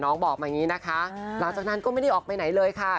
บอกมาอย่างนี้นะคะหลังจากนั้นก็ไม่ได้ออกไปไหนเลยค่ะ